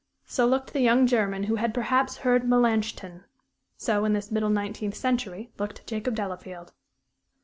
So looked the young German who had perhaps heard Melanchthon; so, in this middle nineteenth century, looked Jacob Delafield.